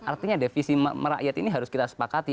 artinya defisi merakyat ini harus kita sepakati